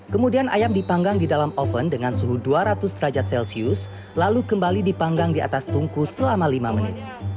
kemudian ayam dipanggang di dalam oven dengan suhu dua ratus derajat celcius lalu kembali dipanggang di atas tungku selama lima menit